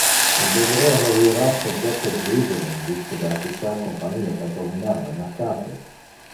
On deberea meliorar projectos libere in vice de adjutar companias a dominar le mercato.